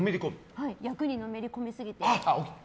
役にのめりこみすぎて。